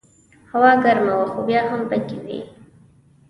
هوا ګرمه وه خو بیا هم پکې وې.